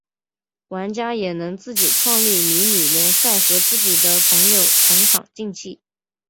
玩家也能自己创立迷你联赛和自己的朋友同场竞技。